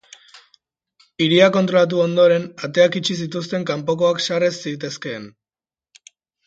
Hiria kontrolatu ondoren, ateak itxi zituzten kanpokoak sar ez zitezkeen.